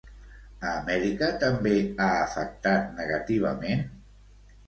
A Amèrica també ha afectat negativament?